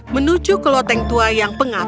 menuju ke loteng tua yang pengap